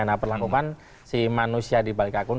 nah perlakukan si manusia di balik akun